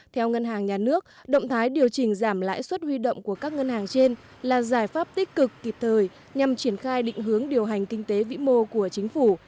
theo ngân hàng nhà nước động thái điều chỉnh giảm lãi suất huy động của các ngân hàng trên là giải pháp tích cực kịp thời nhằm triển khai định hướng điều hành kinh tế vĩ mô của chính phủ